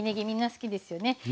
みんな好きですよね。